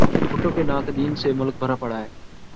بھٹو کے ناقدین سے ملک بھرا پڑا ہے۔